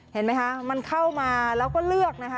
เห็นไหมคะมันเข้ามาแล้วก็เลือกนะคะ